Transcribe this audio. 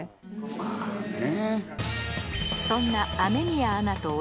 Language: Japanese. まあね